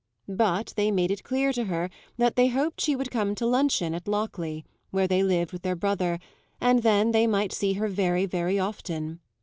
But they made it clear to her that they hoped she would come to luncheon at Lockleigh, where they lived with their brother, and then they might see her very, very often.